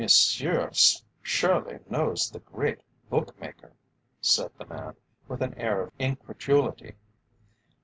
"Monsieur surely knows the great bookmaker," said the man, with an air of incredulity.